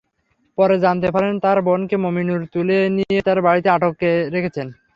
পরে জানতে পারেন তাঁর বোনকে মমিনুর তুলে নিয়ে তাঁর বাড়িতে আটকে রেখেছেন।